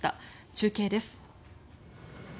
中継です。